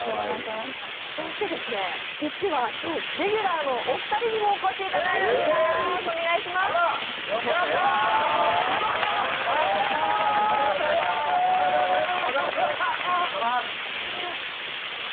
実は今日、レギュラーのお二人にもお越しいただいています。